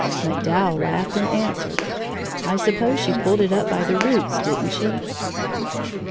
MacDowell laughed and answered: "I suppose she pulled it up by the roots, didn't she?"